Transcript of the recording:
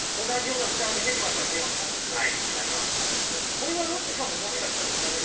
これはロッチさんももしかしたら同じですか？